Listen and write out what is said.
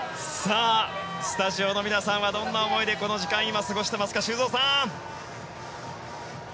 スタジオの皆さんはどんな思いでこの時間を過ごしていますか、修造さん！